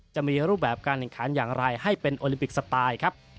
จะมีรูปแบบการแข่งขันอย่างไรให้เป็นโอลิมปิกสไตล์ครับ